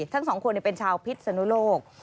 ทั้งสองคนเป็นชาวพิษสนุโลก